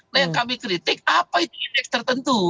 nah yang kami kritik apa itu indeks tertentu